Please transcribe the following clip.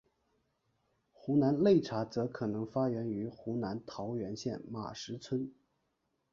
湖南擂茶则可能发源于湖南桃源县马石村。